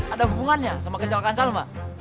ada hubungannya sama kecelakaan salma